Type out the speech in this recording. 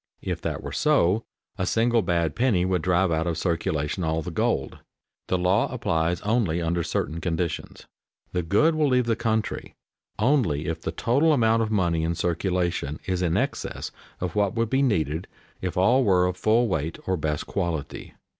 If that were so, a single bad penny would drive out of circulation all the gold. The law applies only under certain conditions. The "good" will leave the country only if the total amount of money in circulation is in excess of what would be needed if all were of full weight or best quality.